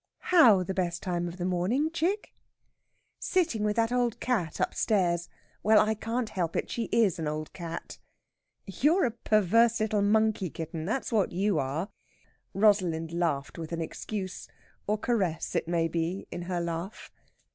"How the best time of the morning, chick?" "Sitting with that old cat upstairs.... Well, I can't help it. She is an old cat." "You're a perverse little monkey, kitten; that's what you are!" Rosalind laughed with an excuse or caress, it may be in her laugh.